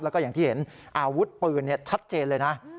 แล้วก็อย่างที่เห็นอาวุธปืนชัดเจนเลยนะ